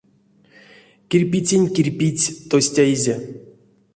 Кирьпецень кирьпець тостяизе.